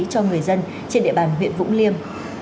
cho người dân trên địa bàn huyện vũng liêm